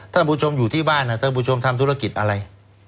ท่านผู้ชมอยู่ที่บ้านท่านผู้ชมทำธุรกิจอะไร